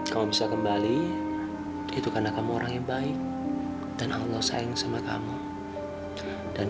kamu bisa kembali itu karena kamu orang yang baik dan allah sayang sama kamu dan